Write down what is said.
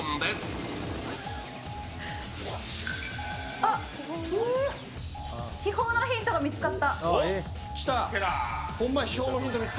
あっ、秘宝のヒントが見つかった。